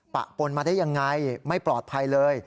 ปะปนมาได้ยังไงไม่ปลอดภัยเลย